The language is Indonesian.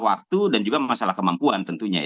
waktu dan juga masalah kemampuan tentunya